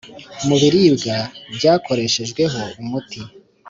mu biribwa byakoreshejweho umuti